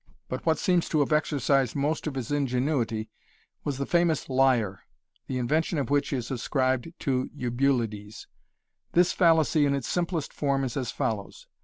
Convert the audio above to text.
But what seems to have exercised most of his ingenuity was the famous Liar, the invention of which is ascribed to Eubulides. This fallacy in its simplest form is as follows.